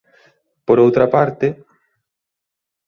Por outra parte.